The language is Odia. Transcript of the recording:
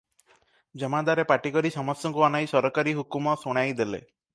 ଜମାଦାରେ ପାଟି କରି ସମସ୍ତଙ୍କୁ ଅନାଇ ସରକାରୀ ହୁକୁମ ଶୁଣାଇ ଦେଲେ ।